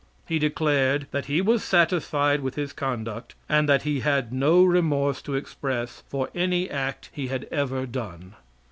He declared that he was satisfied with his conduct, and that he had no remorse to express for any act he had ever done.